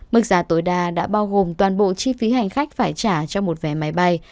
mức giá tối đa đã bao gồm toàn bộ chi phí hành khách phải trả cho một vé máy bay